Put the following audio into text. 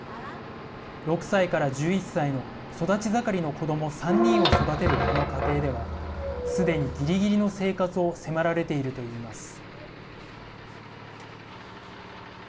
６歳から１１歳の育ち盛りの子ども３人を育てるこの家庭ではすでに、ぎりぎりの生活を迫られているといいます。